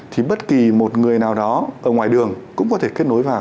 thì bất kỳ một người nào đó ở ngoài đường cũng có thể kết nối vào